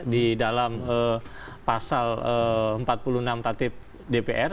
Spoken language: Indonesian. di dalam pasal empat puluh enam tatip dpr